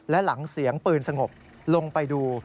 และหลังเสียงปืนสงบลงไปดู